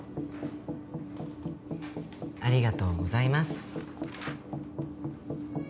ありがとうございます。